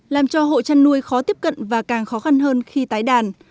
làm cho hộ chăn nuôi khó tiếp cận và càng khó khăn hơn khi tái đàn